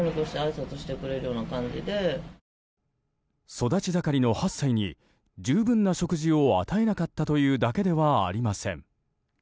育ち盛りの８歳に十分な食事を与えなかったというだけではありません。